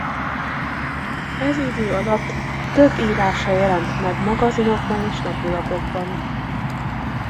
Ez idő alatt több írása jelent meg magazinokban és napilapokban.